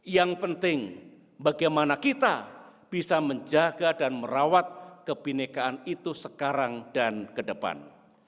yang penting bagaimana kita bisa menjaga dan merawat kebinekaan itu sekarang dan ke depan